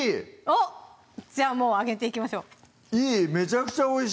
おっじゃあもうあげていきましょういい！